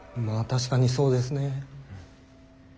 確かにそうですね。